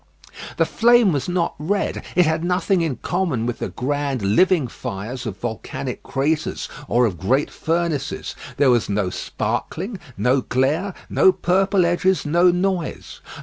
The flame was not red; it had nothing in common with the grand living fires of volcanic craters or of great furnaces. There was no sparkling, no glare, no purple edges, no noise.